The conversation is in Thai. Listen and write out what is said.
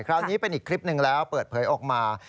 คราวนี้เป็นอีกคลิปหนึ่งแล้วเปิดเผยออกมา